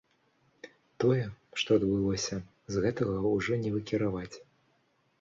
Тое, што адбылося, з гэтага ўжо не выкіраваць.